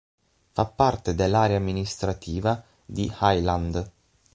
Fa parte dell'area amministrativa di Highland.